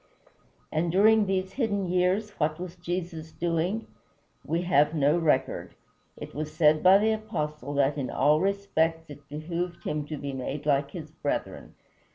And during these hidden years what was Jesus doing? We have no record. It was said by the Apostle that "in all respects it behooved him to be made like his brethren."